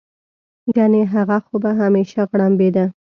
ګنې هغه خو به همېشه غړمبېده.